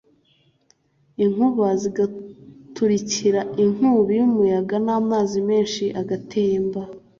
inkuba zigaturika inkubi y’umuyaga n’amazi menshi agatemba